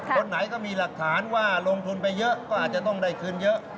คนไหนก็มีหลักฐานว่าลงทุนไปเยอะก็อาจจะต้องได้คืนเยอะ